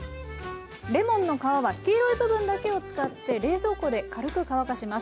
レモンの皮は黄色い部分だけを使って冷蔵庫で軽く乾かします。